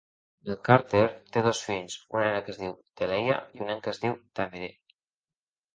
El Carter té dos fills: una nena que es diu Taleya y un nen que es diu Tamere.